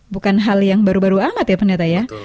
bukan hal yang baru baru amat ya pendeta